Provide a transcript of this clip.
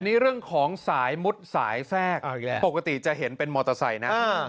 นี่เรื่องของสายมุดสายแทรกปกติจะเห็นเป็นมอเตอร์ไซค์นะ